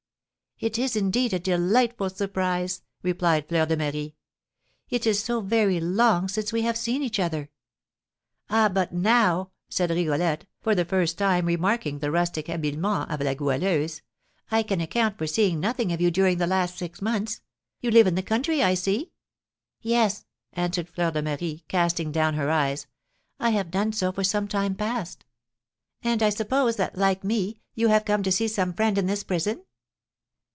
"It is, indeed, a delightful surprise!" replied Fleur de Marie. "It is so very long since we have seen each other." "Ah, but now," said Rigolette, for the first time remarking the rustic habiliments of La Goualeuse, "I can account for seeing nothing of you during the last six months, you live in the country, I see?" "Yes," answered Fleur de Marie, casting down her eyes, "I have done so for some time past." "And I suppose that, like me, you have come to see some friend in this prison?"